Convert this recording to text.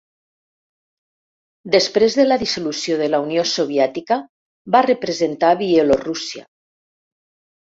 Després de la dissolució de la Unió Soviètica, va representar Bielorússia.